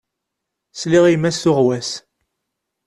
Sliɣ i yemma-s tuɣwas.